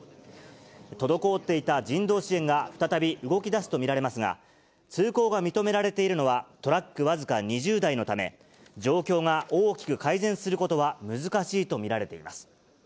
滞っていた人道支援が再び動きだすと見られますが、通行が認められているのはトラック僅か２０台のため、状況が大きく改善することは難しいと見られています。